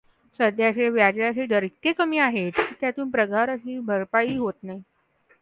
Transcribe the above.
सध्या व्याजाचे दर इतके कमी आहेत की, त्यातून पगाराची भरपाई होत नाही.